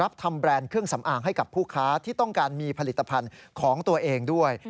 ทำแบรนด์เครื่องสำอางให้กับผู้ค้าที่ต้องการมีผลิตภัณฑ์ของตัวเองด้วย